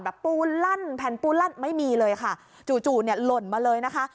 แบบปูนลั่นแผนปูนลั่นไม่มีเลยค่ะจู่หล่นมาเลยนะคะ